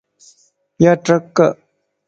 ياٽرک